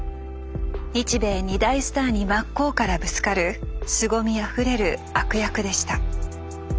日米２大スターに真っ向からぶつかるすごみあふれる悪役でした。